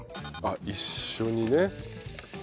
あっ一緒にね。